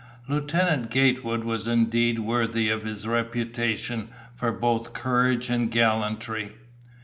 Lieutenant Gatewood was indeed worthy of his reputation for both courage and gallantry.